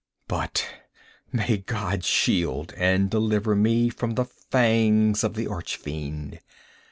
But may God shield and deliver me from the fangs of the Arch Fiend!